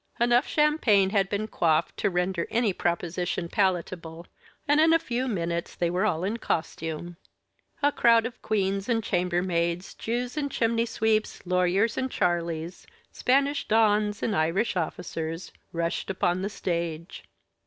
Enough champagne had been quaffed to render any proposition palatable, and in a few minutes they were all in costume. A crowd of queens and chambermaids, Jews and chimney sweeps, lawyers and charleys, Spanish dons and Irish officers, rushed upon the stage.